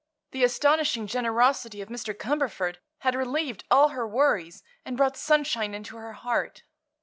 The astonishing generosity of Mr. Cumberford had relieved all her worries and brought sunshine into her heart.